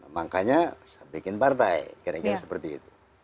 makanya saya bikin partai kira kira seperti itu